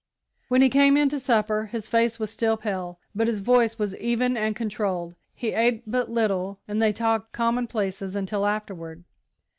When he came in to supper, his face was still pale, but his voice was even and controlled. He ate but little, and they talked commonplaces until afterward.